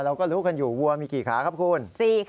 เราก็รู้กันอยู่วัวมีกี่ขาครับคุณ